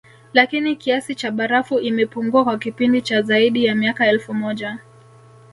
Lakini kiasi cha barafu imepungua kwa kipindi cha zaidi ya miaka elfu moja